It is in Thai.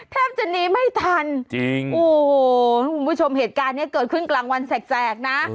แทบจะหนีไม่ทันจริงโอ้โหคุณผู้ชมเหตุการณ์นี้เกิดขึ้นกลางวันแสกนะ